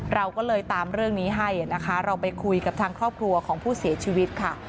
เราก็เลยตามเรื่องนี้ให้นะคะเราไปคุยกับทางครอบครัวของผู้เสียชีวิตค่ะ